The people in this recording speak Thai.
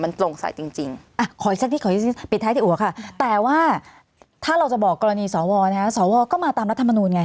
มันตรงใสจริงแต่ว่าถ้าเราจะบอกกรณีสวสวก็มาตามรัฐมนูลไง